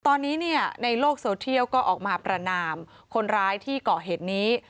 ตอนนี้เนี่ยในโลกโซเทียลก็ออกมาประนามคนร้ายที่เกาะเหตุนี้